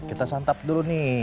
kita santap dulu nih